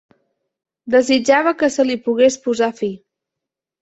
Desitjava que se li pogués posar fi.